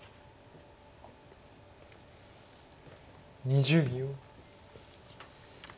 ２０秒。